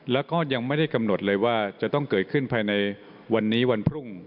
แล้วก็ยังไม่ได้กำหนดเลยว่าจะต้องเกิดขึ้นภายในวันนี้วันพรุ่ง